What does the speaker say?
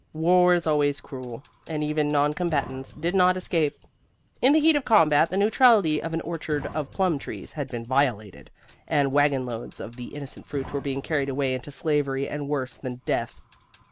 War is always cruel, and even non combatants did not escape. In the heat of combat, the neutrality of an orchard of plum trees had been violated, and wagonloads of the innocent fruit were being carried away into slavery and worse than death.